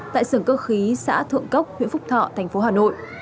tại xưởng cơ khí xã thượng cốc huyện phúc thọ thành phố hà nội